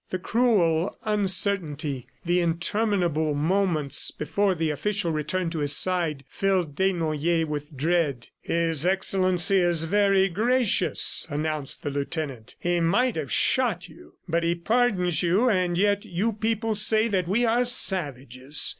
The cruel uncertainty, the interminable moments before the official returned to his side, filled Desnoyers with dread. "His Excellency is very gracious," announced the lieutenant. "He might have shot you, but he pardons you and yet you people say that we are savages!"